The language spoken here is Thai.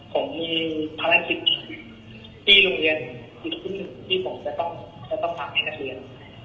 ผมมีภารกิจที่โรงเรียนที่ผมจะต้องพักในกระเทียน